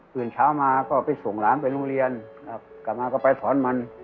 ตื่นเช้ามาก็ไปส่งหลานไปโรงเรียนนะครับกลับมาก็ไปถอนมัน